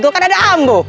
kan ada ambo